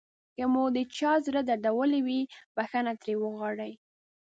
که مو د چا زړه دردولی وي بښنه ترې وغواړئ.